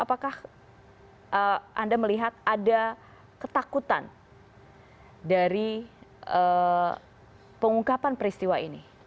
apakah anda melihat ada ketakutan dari pengungkapan peristiwa ini